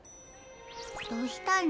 どうしたの？